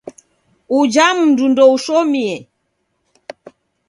Uja mndu ndoushomie.